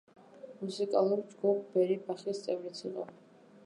მუსიკალური ჯგუფ „ბერი ბახის“ წევრიც იყო.